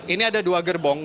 ini ada dua gerbong